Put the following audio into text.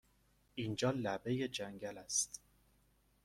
اینجا لبه جنگل است!